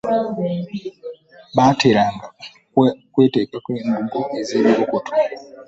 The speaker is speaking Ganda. Baateranga kwalako mbugo ez'ebibukutu.